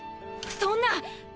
そんなっ！